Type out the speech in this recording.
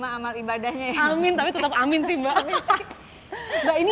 amin tapi tetap amin sih mbak